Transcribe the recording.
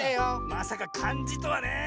まさかかんじとはねえ。